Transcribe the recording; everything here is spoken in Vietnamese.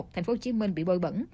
thành phố hồ chí minh bị bồi bẩn